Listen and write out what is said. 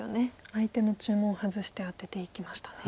相手の注文を外してアテていきましたね。